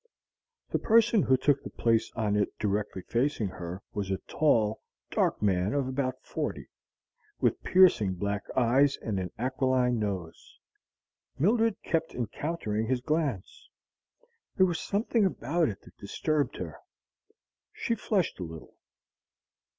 The person who took the place on it directly facing her was a tall, dark man of about forty, with piercing black eyes and an aquiline nose. Mildred kept encountering his glance. There was something about it that disturbed her. She flushed a little.